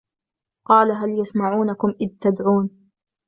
قال هل يسمعونكم إذ تدعون